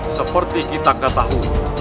seperti kita ketahui